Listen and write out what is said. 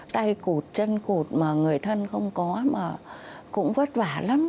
tay cụt chân cụt mà người thân không có mà cũng vất vả lắm